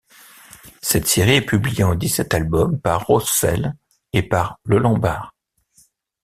Cette série est publiée en dix-sept albums par Rossel et par Le Lombard.